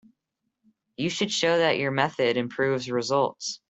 You should show that your method improves results.